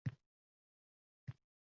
Shuning uchun ham so`radim